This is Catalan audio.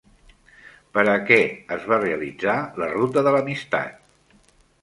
Per a què es va realitzar la Ruta de l'Amistat?